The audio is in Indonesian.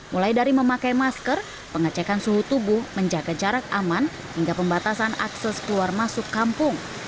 mulai dari memakai masker pengecekan suhu tubuh menjaga jarak aman hingga pembatasan akses keluar masuk kampung